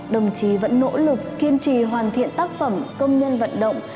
đồng chí vẫn nỗ lực kiên trì hoàn thiện tác phẩm công nhân vận động